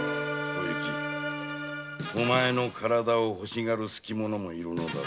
お雪お前の体を欲しがる者もいるのだ。